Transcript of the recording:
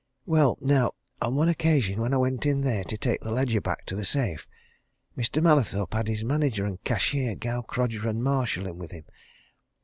Well, now, on one occasion, when I went in there, to take a ledger back to the safe, Mr. Mallathorpe had his manager and cashier, Gaukrodger and Marshall in with him.